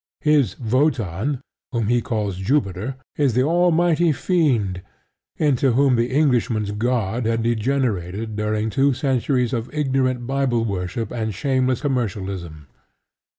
His Wotan, whom he calls Jupiter, is the almighty fiend into whom the Englishman's God had degenerated during two centuries of ignorant Bible worship and shameless commercialism.